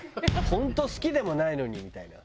本当は好きでもないのにみたいな。